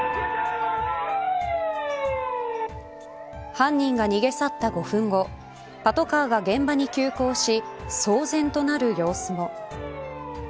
犯人が逃げ去った５分後パトカーが現場に急行し騒然となる様子も。